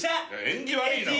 「縁起悪いな」